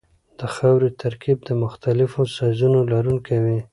د خاورې ترکیب د مختلفو سایزونو لرونکی وي